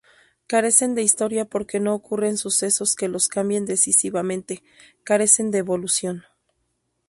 Carecen de historia porque no ocurren sucesos que los cambien decisivamente; carecen de evolución.